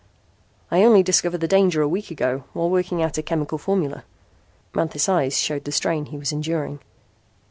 '" "I only discovered the danger a week ago while working out a chemical formula." Manthis' eyes showed the strain he was enduring.